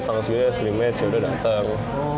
tanggal segini ada scrimmage yaudah dateng